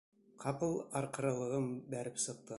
Ҡапыл арҡырылығым бәреп сыҡты.